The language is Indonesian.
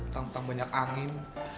tentang banyak angin